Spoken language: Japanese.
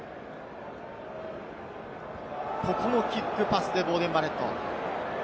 ここもキックパスでボーデン・バレット。